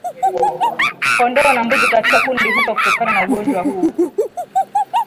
kondoo na mbuzi katika kundi hufa kutokana na ugonjwa huu